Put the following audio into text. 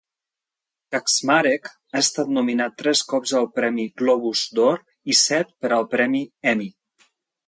Kaczmarek ha estat nominat tres cops al premi Globus d'Or i set per al premi Emmy.